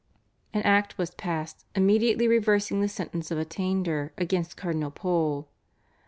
An Act was passed immediately reversing the sentence of Attainder against Cardinal Pole.